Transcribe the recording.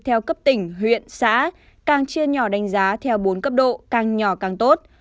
theo cấp tỉnh huyện xã càng chia nhỏ đánh giá theo bốn cấp độ càng nhỏ càng tốt